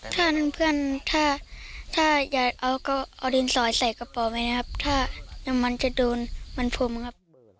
ถ้าเพื่อนถ้าถ้าอยากเอาก็เอาดินสอยใส่กระเป๋าไว้นะครับถ้าน้ำมันจะโดนมันพรมครับ